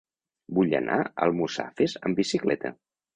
Vull anar a Almussafes amb bicicleta.